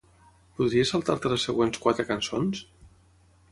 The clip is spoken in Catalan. Podries saltar-te les següents quatre cançons?